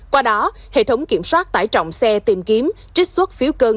qua đó hệ thống kiểm soát tải trọng xe tìm kiếm trích xuất phiếu cân